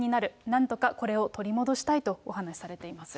なんとかこれを取り戻したいとお話しされています。